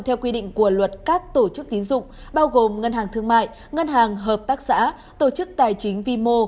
theo quy định của luật các tổ chức tiến dụng bao gồm ngân hàng thương mại ngân hàng hợp tác xã tổ chức tài chính vimo